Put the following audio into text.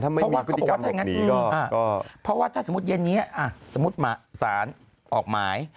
เพราะว่าเขาบอกว่าถ้าอย่างนั้นเพราะว่าถ้าสมมุติเย็นนี้สมมุติสารออกหมาย